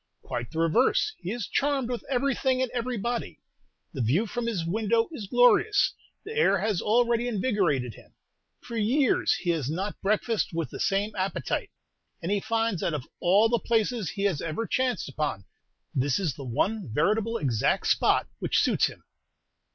"Quite the reverse; he is charmed with everything and everybody. The view from his window is glorious; the air has already invigorated him. For years he has not breakfasted with the same appetite; and he finds that of all the places he has ever chanced upon, this is the one veritable exact spot which suits him."